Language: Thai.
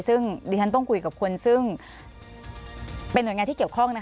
ซึ่งดิฉันต้องคุยกับคนซึ่งเป็นหน่วยงานที่เกี่ยวข้อง